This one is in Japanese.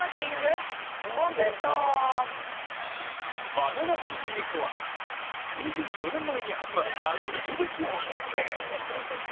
バナナＫＩＮＧとは、２４年前に始まった名物企画。